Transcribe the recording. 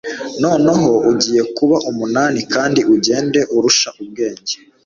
Noneho ugiye kuba umunani kandi ugenda urusha ubwenge